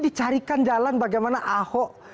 dicarikan jalan bagaimana ahok